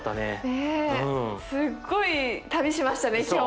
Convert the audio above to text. すっごい旅しましたね